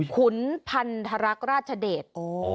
ขุนพันธรรคราชเดช